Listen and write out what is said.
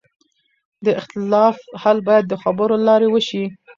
د اختلاف حل باید د خبرو له لارې وشي